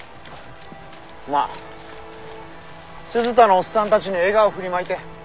まあ鈴田のおっさんたちに笑顔を振りまいて。